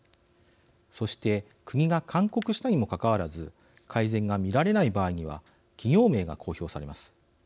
そして国が勧告したにもかかわらず改善が見られない場合には企業名が公表されます。